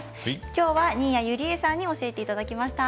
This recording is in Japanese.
きょうは新谷友里江さんに教えていただきました。